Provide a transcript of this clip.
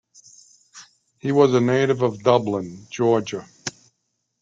He was a native of Dublin, Georgia.